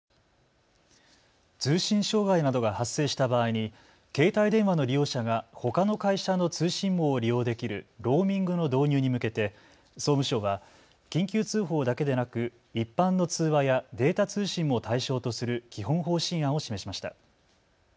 通信障害などが発生した場合に携帯電話の利用者がほかの会社の通信網を利用できるローミングの導入に向けて総務省は緊急通報だけでなく一般の通話やデータ通信も対象とする基本方針案を示しました。